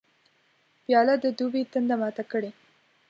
پیاله د دوبي تنده ماته کړي.